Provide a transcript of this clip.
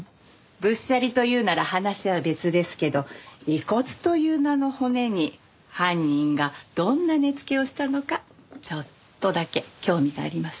仏舎利というなら話は別ですけど遺骨という名の骨に犯人がどんな値付けをしたのかちょっとだけ興味があります。